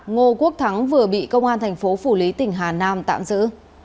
ngô quốc thắng vừa bị công an thành phố phủ lý tỉnh hà nam tạm giữ